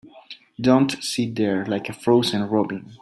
Don't sit there like a frozen robin.